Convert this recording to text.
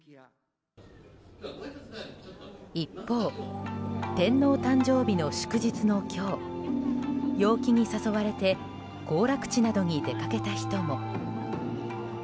一方、天皇誕生日の祝日の今日陽気に誘われて行楽地などに出かけた人も。